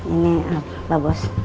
ini pak bos